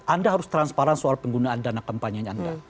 anda harus transparan soal penggunaan dana kampanye anda